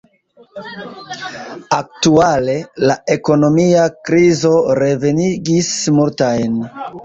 Aktuale, la ekonomia krizo revenigis multajn.